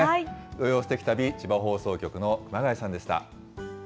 土曜すてき旅、千葉放送局の熊谷さんでした。